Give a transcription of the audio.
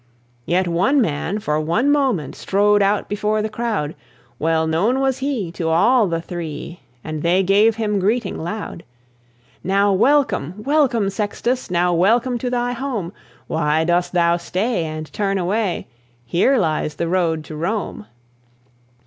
Yet one man for one moment Strode out before the crowd; Well known was he to all the Three, And they gave him greeting loud: "Now welcome, welcome, Sextus! Now welcome to thy home! Why dost thou stay, and turn away? Here lies the road to Rome."